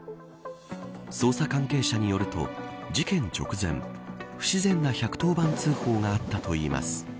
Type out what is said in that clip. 捜査関係者によると事件直前不自然な１１０番通報があったといいます